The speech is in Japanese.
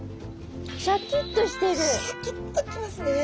シャキッときますね。